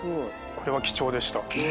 これは貴重でした。